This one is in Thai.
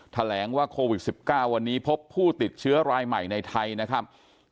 แถลงว่าโควิด๑๙วันนี้พบผู้ติดเชื้อรายใหม่ในไทยนะครับ